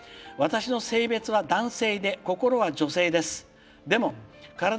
私の性別は男性で心は女性です。